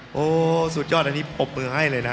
โโฮเสียดีมากอันนี้อบมือให้เลยนะ